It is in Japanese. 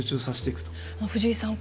藤井さん